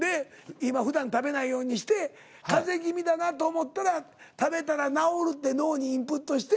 今ふだん食べないようにして風邪気味だなと思ったら食べたら治るって脳にインプットして。